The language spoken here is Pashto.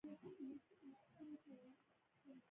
په تیارو، تیارو ښارونو کې